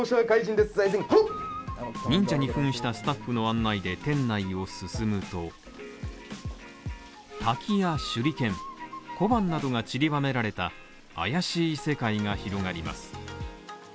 忍者に扮したスタッフの案内で店内を進むと、滝や手裏剣、小判などが散りばめられた怪しい世界が広がります。